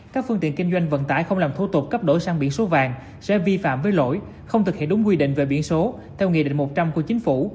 các phương tiện kinh doanh vận tải không làm thô tục cấp đổi sang biển số vàng sẽ vi phạm với lỗi không thực hiện đúng quy định về biển số theo nghị định một trăm linh của chính phủ